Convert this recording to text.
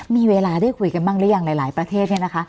มีเวลาได้คุยกันบ้างหรือยังหลายประเทศเนี่ยนะคะ